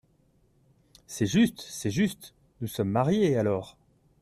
C’est juste ! c’est juste ! nous sommes mariés, alors !…